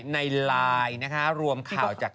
ในไลน์นะคะรวมข่าวจาก